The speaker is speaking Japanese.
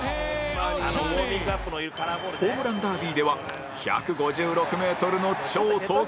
ホームランダービーでは１５６メートルの超特大アーチ